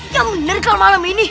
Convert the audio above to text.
ya bener kalau malam ini